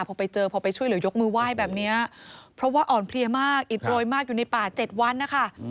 พอไปเจอพอไปช่วยเหลือยกมือไหว้แบบนี้เพราะว่าอ่อนเพลียมากอิดโรยมากอยู่ในป่า๗วันนะคะ